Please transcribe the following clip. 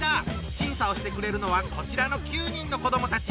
審査をしてくれるのはこちらの９人の子どもたち。